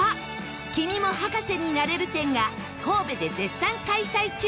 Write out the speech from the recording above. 君も博士になれる展が神戸で絶賛開催中